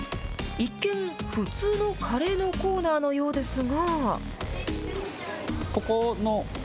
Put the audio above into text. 一見、普通のカレーのコーナーのようですが。